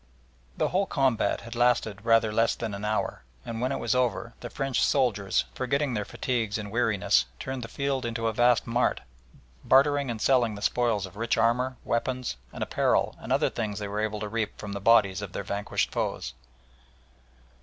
The whole combat had lasted rather less than an hour, and when it was over the French soldiers, forgetting their fatigues and weariness, turned the field into a vast mart, bartering and selling the spoils of rich armour, weapons, apparel and other things they were able to reap from the bodies of their vanquished foes.